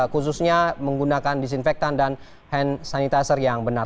khususnya menggunakan disinfektan dan hand sanitizer yang benar